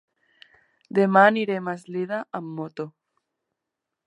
Demà anirem a Eslida amb moto.